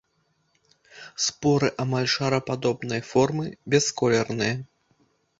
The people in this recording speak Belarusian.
Споры амаль шарападобнай формы, бясколерныя.